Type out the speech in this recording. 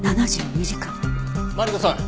マリコさん